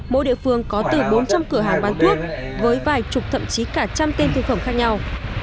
mỗi địa phương có từ bốn trăm linh cửa hàng bán thuốc với vài chục thậm chí cả trăm tên thực phẩm khác nhau